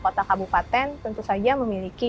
kota kabupaten tentu saja memiliki